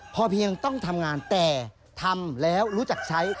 พอเพียงต้องทำงานแต่ทำแล้วรู้จักใช้